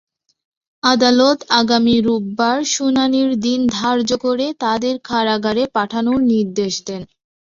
আদালত আগামী রোববার শুনানির দিন ধার্য করে তাঁদের কারাগারে পাঠানোর নির্দেশ দেন।